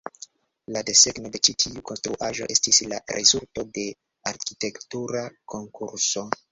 La desegno de ĉi tiu konstruaĵo estis la rezulto de arkitektura konkurso.